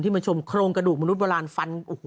มาชมโครงกระดูกมนุษยโบราณฟัน